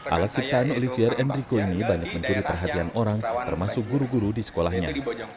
alat ciptaan olivier enrico ini banyak mencuri perhatian orang termasuk guru guru di sekolahnya